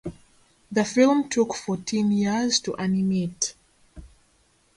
The film took fourteen years to animate.